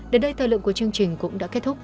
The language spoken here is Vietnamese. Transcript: đến đây thời lượng của chương trình cũng đã kết thúc